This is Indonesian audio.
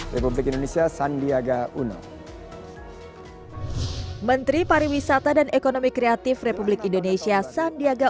republik indonesia sandiaga uno menteri pariwisata dan ekonomi kreatif republik indonesia sandiaga